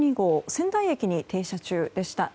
仙台駅に停車中でした。